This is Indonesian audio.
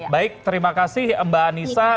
baik terima kasih mbak anissa